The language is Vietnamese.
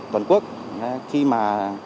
toàn quốc khi mà